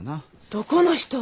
どこの人？